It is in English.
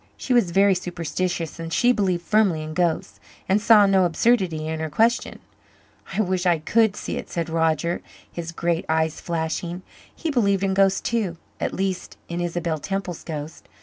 She was very superstitious and she believed firmly in ghosts, and saw no absurdity in her question. "I wish I could see it," said Roger, his great eyes flashing. He believed in ghosts too, at least in Isabel Temple's ghost.